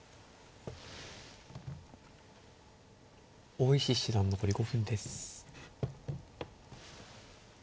大石七段残り５分です。